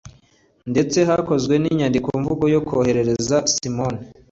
ndetse hakozwe n'inyandikomvugo yo koherereza simoni